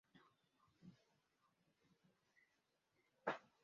Umugabo uri ku igare agenda mu muhanda muto mu gihe ikamyo imugenda inyuma